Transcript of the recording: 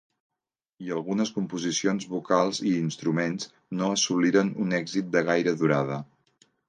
I algunes composicions vocals i instruments no assoliren un èxit de gaire durada.